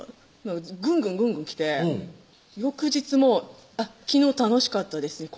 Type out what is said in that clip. ぐんぐんぐんぐん来て翌日も「昨日楽しかったですね